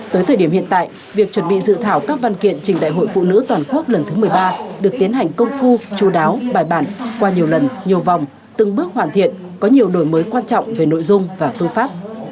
tới thời điểm hiện tại việc chuẩn bị dự thảo các văn kiện trình đại hội phụ nữ toàn quốc lần thứ một mươi ba được tiến hành công phu chú đáo bài bản qua nhiều lần nhiều vòng từng bước hoàn thiện có nhiều đổi mới quan trọng về nội dung và phương pháp